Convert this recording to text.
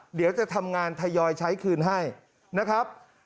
เดี๋ยวจะทำงานทยอยใช้คืนให้นะครับ